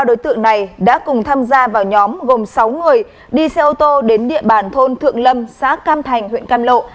ba đối tượng này đã cùng tham gia vào nhóm gồm sáu người đi xe ô tô đến địa bàn thôn thượng lâm xã cam thành huyện cam lộ